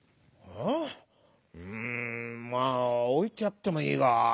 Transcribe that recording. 「うんまあおいてやってもいいが」。